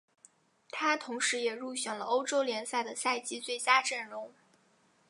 他同时也入选了欧洲联赛的赛季最佳阵容。